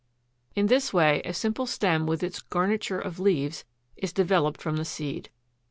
In this way a simple stem with its garniture of leaves is developed from the seed.